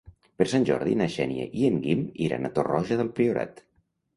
Per Sant Jordi na Xènia i en Guim iran a Torroja del Priorat.